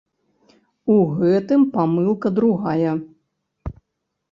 У гэтым памылка другая.